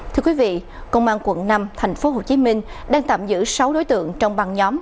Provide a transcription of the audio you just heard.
thưa quý vị công an quận năm thành phố hồ chí minh đang tạm giữ sáu đối tượng trong băng nhóm